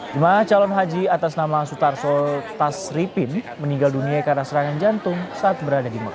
jemaah calon haji atas nama sutarso tasripin meninggal dunia karena serangan jantung saat berada di mekah